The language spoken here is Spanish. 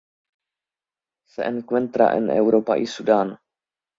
Se encuentra en Europa y Sudán.